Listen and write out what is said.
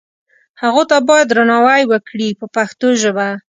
هغو ته باید درناوی وکړي په پښتو ژبه.